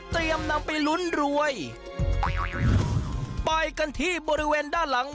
นำไปลุ้นรวยไปกันที่บริเวณด้านหลัง